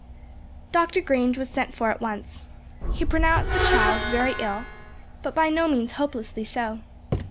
Dr. Grange was sent for at once. He pronounced the child very ill, but by no means hopelessly so.